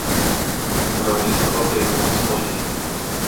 უმრავლესობა ბეღურის ტოლია.